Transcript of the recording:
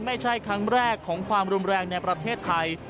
ไม่ใช่ครั้งแรกของความรุนแรงในประเทศไทย